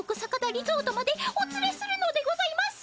リゾートまでおつれするのでございます。